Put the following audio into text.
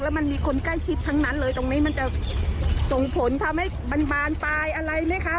มันมีคนใกล้ชิดทั้งนั้นเลยตรงนี้มันจะส่งผลทำให้มันบานปลายอะไรไหมคะ